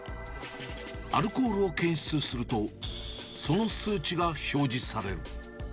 アルコールを検出すると、その数値が表示される。